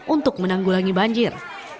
untuk menanggulangi banjir